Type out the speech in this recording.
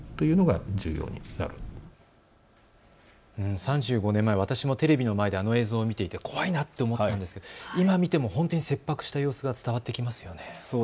３５年前の映像、テレビの前であの映像を見ていて怖いなと思ったんですが今見てみても切迫した様子が伝わってきますね。